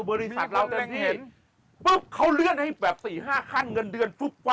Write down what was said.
บริษัทเรามีคุณแหล่งเห็นปุ๊บเขาเลื่อนให้แบบสี่ห้าขั้นเงินเดือน